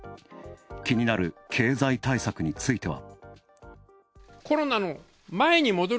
気になる経済対策については。